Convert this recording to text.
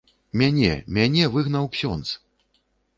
Мяне, мяне выгнаў ксёндз.